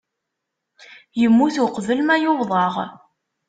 Yemmut uqbel ma uwḍeɣ.